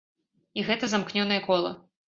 І гэта замкнёнае кола.